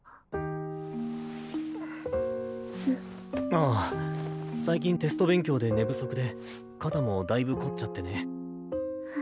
ああ最近テスト勉強で寝不足で肩もだいぶ凝っちゃってね。